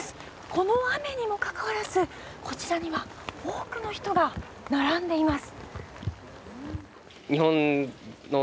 この雨にもかかわらずこちらには多くの人が並んでいます。